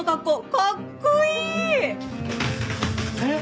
かっこいい！えっ？